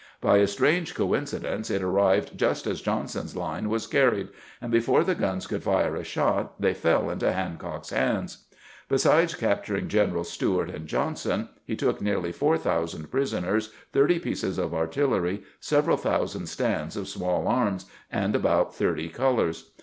By a strange coincidence, it arrived just as Jolinson's line was carried, and before the guns could fire a shot they fell into Hancock's bands. Besides cap turing Generals Steuart and Jobnson, he took nearly four thousand prisoners, thirty pieces of artillery, sev eral thousand stands of small arms, and about thirty colors.